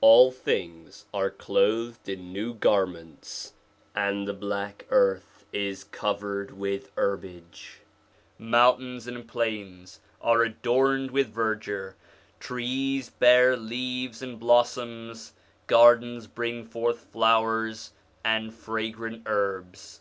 All things are clothed in new garments, and the black earth is covered with herbage; mountains and plains are adorned with verdure, trees bear leaves and blossoms, gardens bring forth flowers and fragrant herbs.